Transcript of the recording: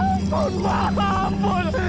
ampun ma ampun